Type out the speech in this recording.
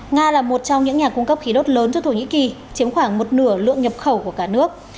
nga là một trong những nhà cung cấp khí đốt lớn cho thổ nhĩ kỳ chiếm khoảng một nửa lượng nhập khẩu của cả nước